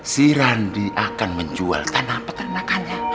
si randi akan menjual tanah peternakanya